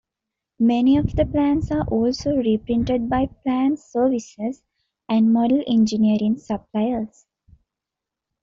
Many of the plans are also reprinted by plans services and model engineering suppliers.